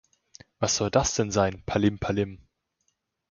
Was soll das denn sein, "Palim Palim"?